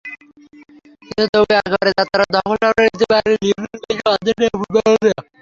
কিন্তু তবু এবারের যাত্রার ধকল সামলে নিতে পারেননি লিওনেল মেসিসহ আর্জেন্টিনার ফুটবলাররা।